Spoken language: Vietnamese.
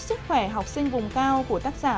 sức khỏe học sinh vùng cao của tác giả